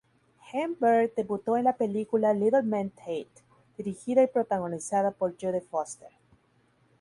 Hann-Byrd debutó en la película "Little Man Tate", dirigida y protagonizada por Jodie Foster.